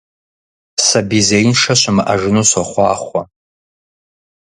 Сабий зеиншэ щымыӀэжыну сохъуахъуэ!